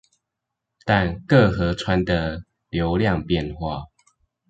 但各河川的流量變化